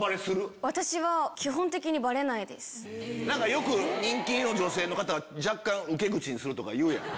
よく人気の女性の方は若干受け口にするとか言うやん。